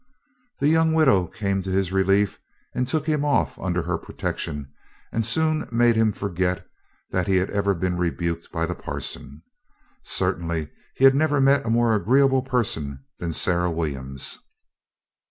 The young widow came to his relief and took him off under her protection and soon made him forget that he had ever been rebuked by the parson. Certainly, he had never met a more agreeable person than Sarah Williams.